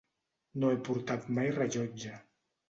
No he portat mai rellotge.